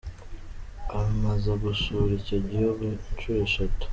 Amaze gusura icyo gihugu inshuro eshatu.